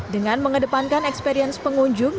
dengan mengedepankan experience pengunjung